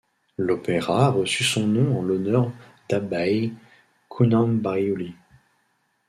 L'opéra a reçu son nom en l'honneur d'Abaï Kounanbaïouly.